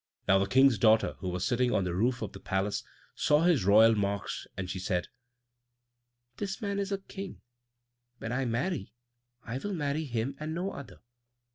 Now the King's daughter, who was sitting on the roof of the palace, saw his royal marks, and she said, "This man is a king; when I marry, I will marry him and no other."